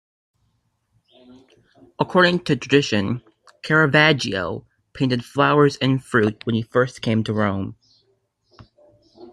According to tradition Caravaggio painted flowers and fruit when he first came to Rome.